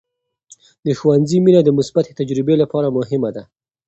د ښوونځي مینه د مثبتې تجربې لپاره مهمه ده.